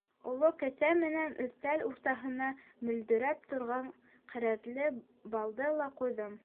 Оло кәсә менән өҫтәл уртаһына мөлдөрәп торған кәрәҙле балды ла ҡуйҙым.